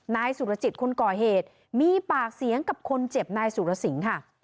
นายสุรจิตคนก่อเหตุมีปากเสียงกับคนเจ็บนายสุรสิงค่ะ